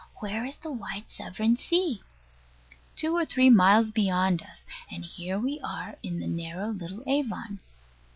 Where is the wide Severn Sea? Two or three miles beyond us; and here we are in narrow little Avon.